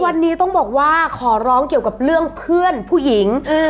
วันนี้ต้องบอกว่าขอร้องเกี่ยวกับเรื่องเพื่อนผู้หญิง